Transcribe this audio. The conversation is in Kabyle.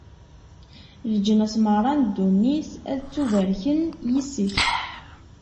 Leǧnas meṛṛa n ddunit ad ttubarken yis-k.